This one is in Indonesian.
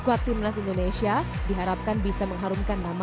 karena saya seorang kelas senyum saudara